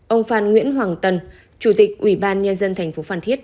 ông phan nguyễn hoàng tân chủ tịch ủy ban nhân dân tp phan thiết